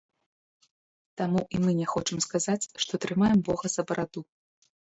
Таму і мы не хочам сказаць, што трымаем бога за бараду.